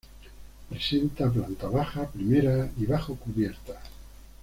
Presenta planta baja, primera y bajocubierta.